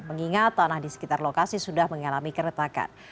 mengingat tanah di sekitar lokasi sudah mengalami keretakan